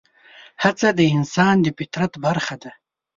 هڅه د انسان د فطرت برخه ده.